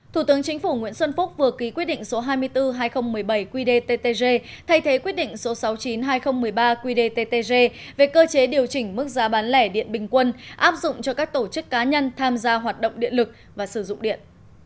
thủ tướng chính phủ nguyễn xuân phúc vừa ký quyết định số hai mươi bốn hai nghìn một mươi bảy qdttg thay thế quyết định số sáu mươi chín hai nghìn một mươi ba qdttg về cơ chế điều chỉnh mức giá bán lẻ điện bình quân áp dụng cho các tổ chức cá nhân tham gia hoạt động điện lực và sử dụng điện